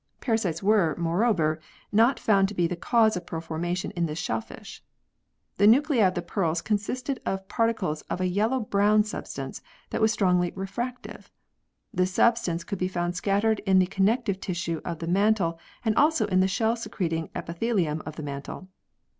Parasites were, moreover, not found to be the cause of pearl formation in this shellfish. The nuclei of the pearls consisted of par ticles of a yellow brown substance, that was strongly refractive. This substance could be found scattered in the connective tissue of the mantle and also in the shell secreting epithelium of the mantle.